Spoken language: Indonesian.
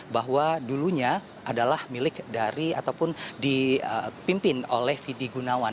bahwa dulunya adalah milik dari ataupun dipimpin oleh fidi gunawan